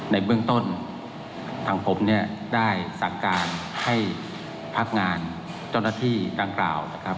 ในเบื้องต้นทางผมเนี่ยได้สั่งการให้พักงานเจ้าหน้าที่ดังกล่าวนะครับ